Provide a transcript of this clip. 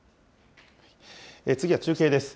次は中継です。